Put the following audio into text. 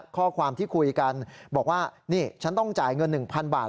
ข้อความที่คุยกันบอกว่านี่ฉันต้องจ่ายเงิน๑๐๐๐บาท